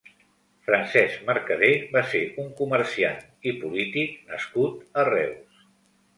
Francesc Mercader va ser un comerciant i polític nascut a Reus.